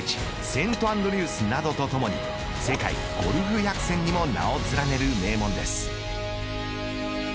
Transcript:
セントアンドリュースなどとともに世界ゴルフ百選にも名を連ねる名門です。